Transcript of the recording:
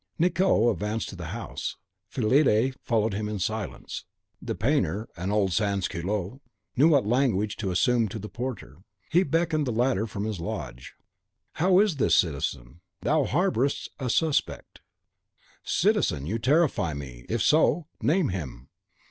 Nicot advanced to the house; Fillide followed him in silence. The painter, an old sans culotte, knew well what language to assume to the porter. He beckoned the latter from his lodge, "How is this, citizen? Thou harbourest a 'suspect.'" "Citizen, you terrify me! if so, name him."